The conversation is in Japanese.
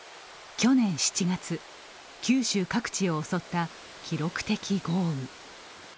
去年７月、九州各地を襲った記録的豪雨。